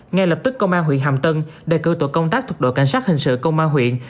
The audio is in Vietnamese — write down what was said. ngay lập tức công an huyện hàm tân đề cử tổ công tác thuộc đội cảnh sát hình sự công an huyện